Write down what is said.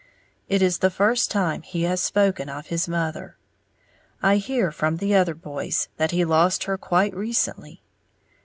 It is the first time he has spoken of his mother, I hear from the other boys that he lost her quite recently.